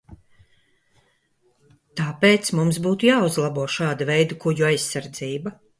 Tāpēc mums būtu jāuzlabo šāda veida kuģu aizsardzība.